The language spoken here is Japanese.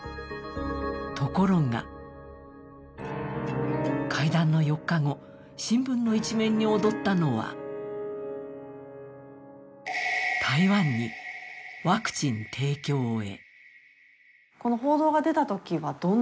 ところが、会談の４日後、新聞の１面に躍ったのは台湾にワクチン提供へ。